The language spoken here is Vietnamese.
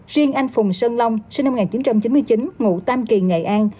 riêng anh phùng sơn long sinh năm một nghìn chín trăm chín mươi chín ngụ tam kỳ nghệ an